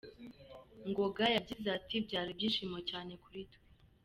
Ngoga yagize ati “Byari ibyishimo cyane kuri twe.